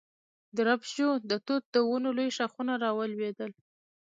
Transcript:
درب شو، د توت د ونو لوی ښاخونه را ولوېدل.